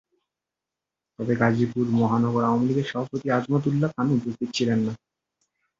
তবে গাজীপুর মহানগর আওয়ামী লীগের সভাপতি আজমত উল্লা খান উপস্থিত ছিলেন না।